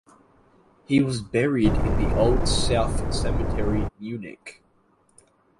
He was buried in the Old South Cemetery Munich.